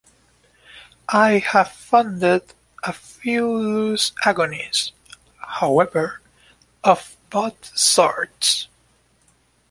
I have funded a few loose agonies, however, of both sorts.